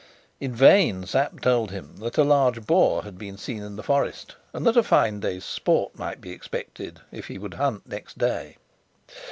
In vain Sapt told him that a large boar had been seen in the forest, and that a fine day's sport might be expected if he would hunt next day.